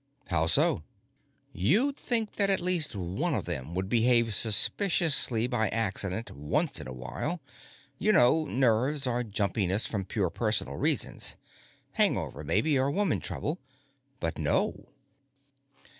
"How so?" "You'd think that at least one of them would behave suspiciously by accident once in a while. You know nerves or jumpiness from purely personal reasons. Hang over, maybe, or woman trouble. But, no."